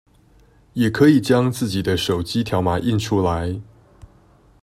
也可以將自己的手機條碼印出來